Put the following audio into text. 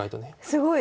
すごい。